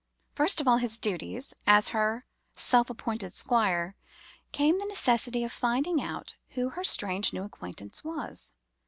First of all his duties, as her self appointed squire, came the necessity of finding out who her strange new acquaintance was.